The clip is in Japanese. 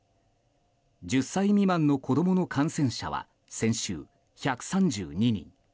１０歳未満の子供の感染者は先週、１３２人。